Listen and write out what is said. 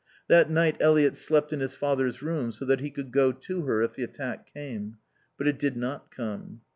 That night Eliot slept in his father's room, so that he could go to her if the attack came. But it did not come.